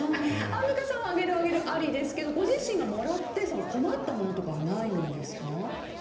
アンミカさんはあげるあげる、ありですけどご自身がもらって困ったものとかはないんですか？